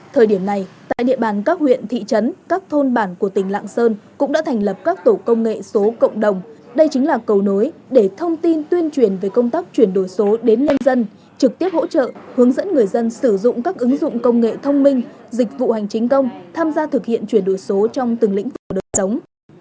thời điểm này tại địa bàn các huyện thị trấn các thôn bản của tỉnh lạng sơn cũng đã thành lập các tổ công nghệ số cộng đồng đây chính là cầu nối để thông tin tuyên truyền về công tác chuyển đổi số đến nhân dân trực tiếp hỗ trợ hướng dẫn người dân sử dụng các ứng dụng công nghệ thông minh dịch vụ hành chính công tham gia thực hiện chuyển đổi số trong từng lĩnh vực đời sống